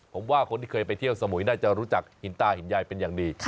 ผมว่าคนที่เคยไปเที่ยวสมุยน่าจะรู้จักหินตาหินยายเป็นอย่างดี